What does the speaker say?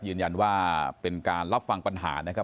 ยืนยันว่าเป็นการรับฟังปัญหานะครับ